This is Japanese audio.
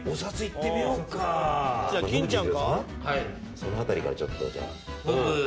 その辺りからちょっとじゃあ。